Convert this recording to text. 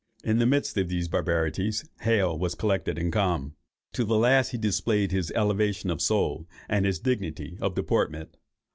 In the midst of these barbarities Hale was collected and calm. To the last he displayed his native elevation of soul, and his dignity of deportment.